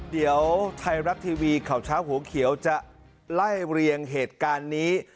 เดี๋ยวไทยรัฐทีวีข่าวเช้าหัวเขียวจะไล่เรียงเหตุการณ์นี้